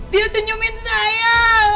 dia senyumin saya